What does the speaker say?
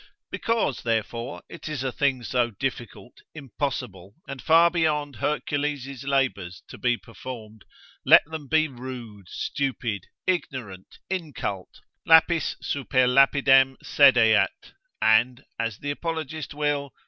Because, therefore, it is a thing so difficult, impossible, and far beyond Hercules labours to be performed; let them be rude, stupid, ignorant, incult, lapis super lapidem sedeat, and as the apologist will, resp.